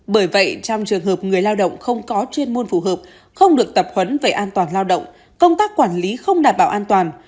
bởi vậy trong trường hợp người lao động không có chuyên môn phù hợp không được tập huấn về an toàn lao động công tác quản lý không đảm bảo an toàn